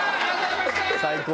「最高！」